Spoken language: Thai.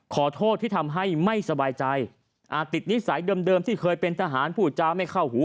ขอโทษที่ทำให้ไม่สบายใจอาจติดนิสัยเดิมที่เคยเป็นทหารพูดจาไม่เข้าหู